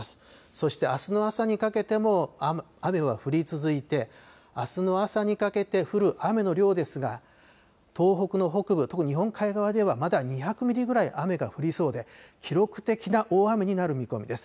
そしてあすの朝にかけても雨は降り続いて、あすの朝にかけて降る雨の量ですが東北の北部、特に日本海側ではまだ２００ミリぐらい雨が降りそうで記録的な大雨になる見込みです。